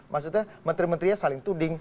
maksudnya menteri menterinya saling tuding